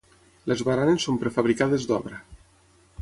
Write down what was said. Les baranes són prefabricades d'obra.